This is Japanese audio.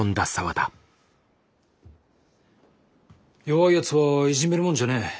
弱いやつはいじめるもんじゃねえ。